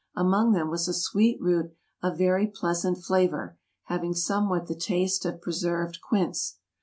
Among them was a sweet root of very pleasant flavor having somewhat the taste of preserved quince.